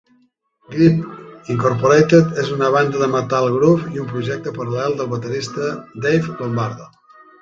Grip Inc. és una banda de metal groove i un projecte paral·lel del baterista Dave Lombardo.